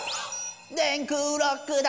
「電空ロックだ」